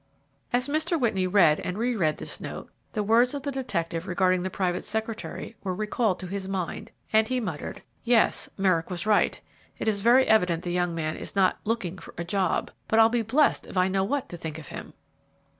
As Mr. Whitney read and reread this note, the words of the detective regarding the private secretary were recalled to his mind, and he muttered, "Yes, Merrick was right. It is very evident the young man is not 'looking for a job;' but I'll be blessed if I know what to think of him!"